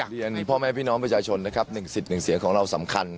เรียนพ่อแม่พี่น้องประชาชนนะครับ๑สิทธิ์๑เสียงของเราสำคัญ